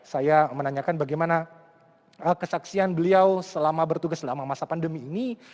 saya menanyakan bagaimana kesaksian beliau selama bertugas selama masa pandemi ini